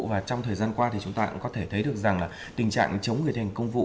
và trong thời gian qua thì chúng ta cũng có thể thấy được rằng là tình trạng chống người thành công vụ